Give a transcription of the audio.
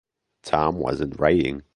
Tom wasn't writing.